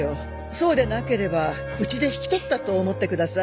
そうでなければうちで引き取ったと思って下さい。